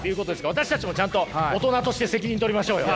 私たちもちゃんと大人として責任取りましょうよ。